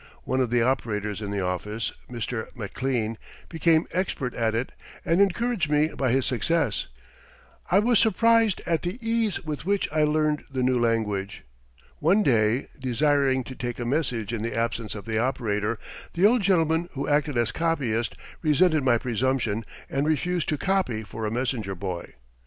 One of the operators in the office, Mr. Maclean, became expert at it, and encouraged me by his success. I was surprised at the ease with which I learned the new language. One day, desiring to take a message in the absence of the operator, the old gentleman who acted as copyist resented my presumption and refused to "copy" for a messenger boy.